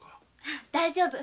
大丈夫。